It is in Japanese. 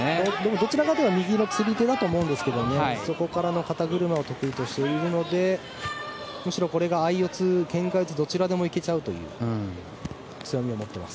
どちらかといえば右の釣り手だと思うんですがそこからの肩車を得意としているのでむしろこれが相四つ、けんか四つどちらでも行けちゃうという強みを持っています。